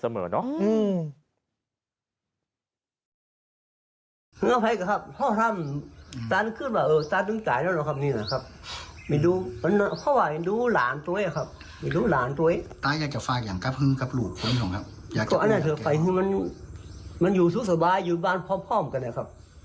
มันอยู่สุขสบายอยู่บ้านพร้อมกันนะครับ